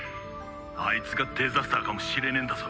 あいつがデザスターかもしれねえんだぞ。